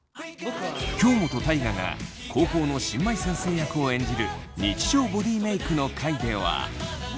京本大我が高校の新米先生役を演じる日常ボディメイクの回では。